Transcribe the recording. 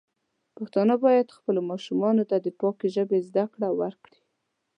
پښتانه بايد خپلو ماشومانو ته د پاکې ژبې زده کړه ورکړي.